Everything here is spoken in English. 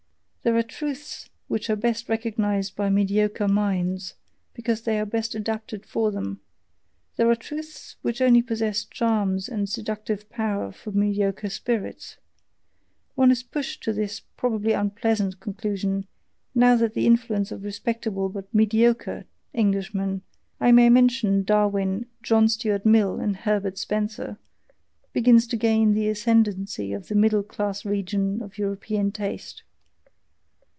There are truths which are best recognized by mediocre minds, because they are best adapted for them, there are truths which only possess charms and seductive power for mediocre spirits: one is pushed to this probably unpleasant conclusion, now that the influence of respectable but mediocre Englishmen I may mention Darwin, John Stuart Mill, and Herbert Spencer begins to gain the ascendancy in the middle class region of European taste.